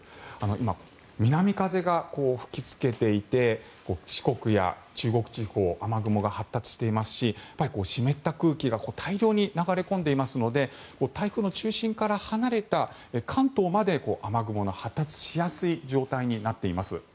今、南風が吹きつけていて四国や中国地方の雨雲が発達していますしやっぱり湿った空気が大量に流れ込んでいますので台風の中心から離れた関東まで雨雲の発達しやすい状態になっています。